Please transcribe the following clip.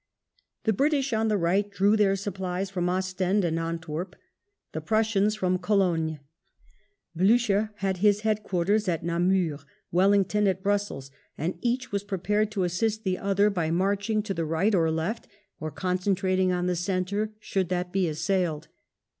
The British, on the right, drew their supplies from Ostend and Antwerp, the Prussians from Cologne, Blucher had his head quarters at Namur, Wellington at Brussels ; and each was prepared to assist the other by marching to the right or left, or concen trating on the centre, should that be assailed.